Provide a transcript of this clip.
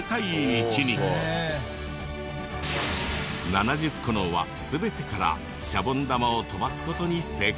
７０個の輪全てからシャボン玉を飛ばす事に成功。